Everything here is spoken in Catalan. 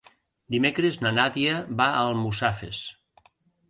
Dimecres na Nàdia va a Almussafes.